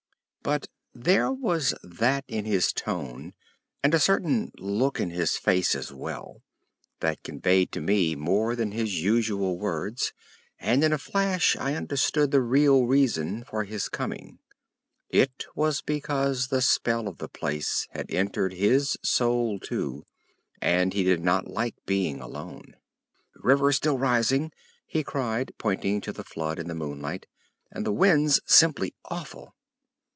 But there was that in his tone, and a certain look in his face as well, that conveyed to me more than his usual words, and in a flash I understood the real reason for his coming. It was because the spell of the place had entered his soul too, and he did not like being alone. "River still rising," he cried, pointing to the flood in the moonlight, "and the wind's simply awful."